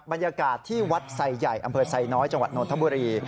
บรรยากาศที่วัดไซใหญ่อำเภอไซน้อยจังหวัดนทบุรี